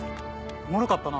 おもろかったな。